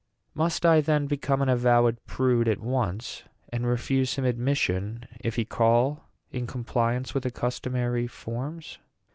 "Must I, then, become an avowed prude at once, and refuse him admission if he call in compliance with the customary forms?"